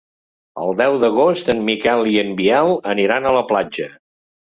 El deu d'agost en Miquel i en Biel aniran a la platja.